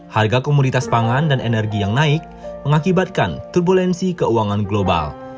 harga komoditas pangan dan energi yang naik mengakibatkan turbulensi keuangan global